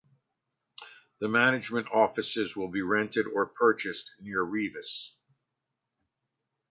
The management offices will be rented or purchased near Rivas.